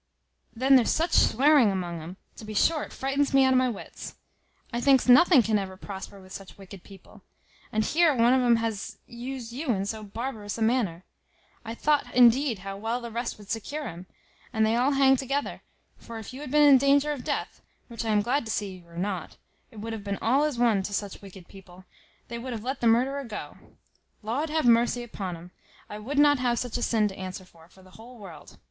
Then there's such swearing among 'um, to be sure it frightens me out o' my wits: I thinks nothing can ever prosper with such wicked people. And here one of 'um has used you in so barbarous a manner. I thought indeed how well the rest would secure him; they all hang together; for if you had been in danger of death, which I am glad to see you are not, it would have been all as one to such wicked people. They would have let the murderer go. Laud have mercy upon 'um; I would not have such a sin to answer for, for the whole world.